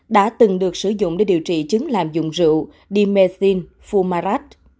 đã từng được sử dụng để điều trị chứng làm dụng rượu diesel fumarat